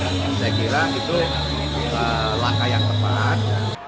saya kira itu langkah yang tepat